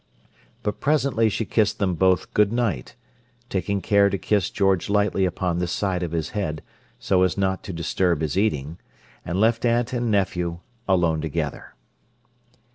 But presently she kissed them both good night—taking care to kiss George lightly upon the side of his head, so as not to disturb his eating—and left aunt and nephew alone together.